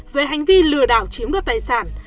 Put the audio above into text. về hành vi lừa đảo chiếm đất tài sản